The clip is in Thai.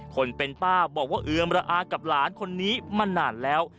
คนเป็นป้าบอกว่าเอือมระอากับหลานคนนี้มานานแล้ว